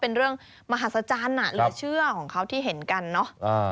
เป็นเรื่องมหัศจรรย์เหลือเชื่อของเขาที่เห็นกันเนอะ